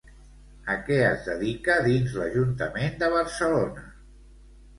A què es dedica dins l'Ajuntament de Barcelona?